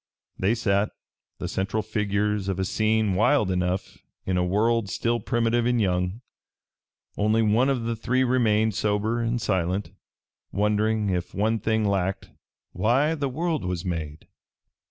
They sat, the central figures of a scene wild enough, in a world still primitive and young. Only one of the three remained sober and silent, wondering, if one thing lacked, why the world was made.